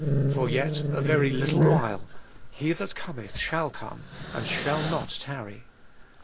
37. For yet a very little while, He that cometh shall come, and shall not tarry.